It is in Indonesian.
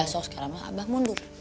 ya sudah sekarang abah mundur